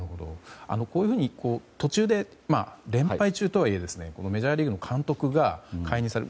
こういうふうに途中で連敗中とはいえメジャーリーグの監督が解任される。